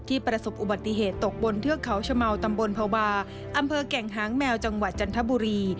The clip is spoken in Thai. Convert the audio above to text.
ประสบอุบัติเหตุตกบนเทือกเขาชะเมาตำบลภาวะอำเภอแก่งหางแมวจังหวัดจันทบุรี